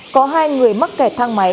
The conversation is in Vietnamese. có hai người mắc kẹt thang máy